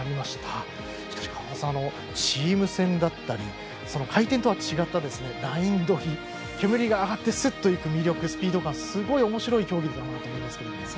しかし、川端さんチーム戦だったり回転とは違ったライン取り、煙が上がってすっといく魅力スピード感、すごくおもしろい競技だと思います。